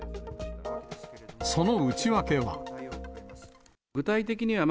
その内訳は。